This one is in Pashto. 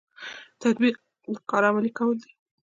تطبیق د کار عملي کول دي